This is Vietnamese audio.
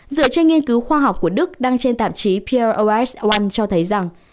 dựa trên nghiên cứu khoa học của đức đăng trên tạp chí pros một cho thấy rằng